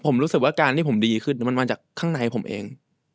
ผมรู้สึกว่าการที่ผมดีขึ้นมันมาจากข้างในผมเอง